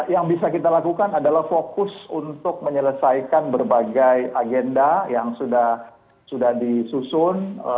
yang bisa kita lakukan adalah fokus untuk menyelesaikan berbagai agenda yang sudah disusun